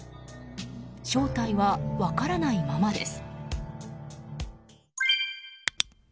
正体は分からないままです。